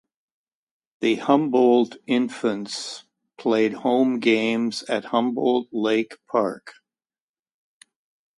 The Humboldt Infants played home games at Humboldt Lake Park.